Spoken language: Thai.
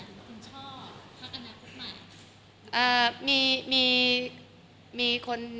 ในคลิปนี้คือหมายถึงคุณช่อพักอนาคตใหม่